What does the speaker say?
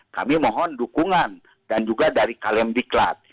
kami mohon dukungan dan juga dari kalemdiklat